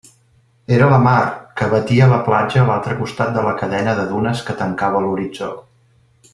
Era la mar, que batia la platja a l'altre costat de la cadena de dunes que tancava l'horitzó.